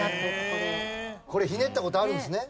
これひねった事あるんですね？